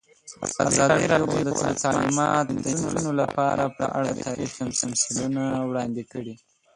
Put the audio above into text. ازادي راډیو د تعلیمات د نجونو لپاره په اړه تاریخي تمثیلونه وړاندې کړي.